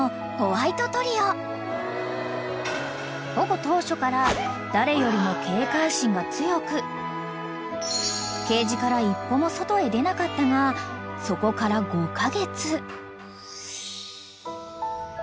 ［保護当初から誰よりも警戒心が強くケージから一歩も外へ出なかったがそこから５カ月］